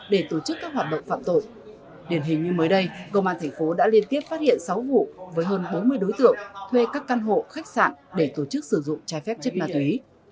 để tổ chức các hoạt động phạm tội điển hình như mới đây công an thành phố đã liên tiếp phát hiện sáu vụ với hơn bốn mươi đối tượng thuê các căn hộ khách sạn để tổ chức sử dụng trái phép chất ma túy